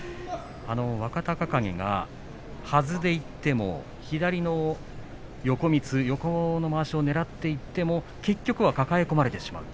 若隆景がはずでいっても左の横みつをねらっていっても結局は抱え込まれてしまう。